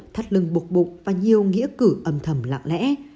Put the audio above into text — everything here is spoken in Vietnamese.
thắt lưng bục bục và nhiều nghĩa cử ấm thầm lạng lẽ